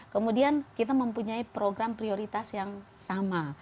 kemudian kita mempunyai program prioritas yang sama